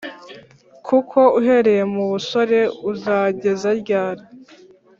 Kuko uhereye mu busore uzageza ryari?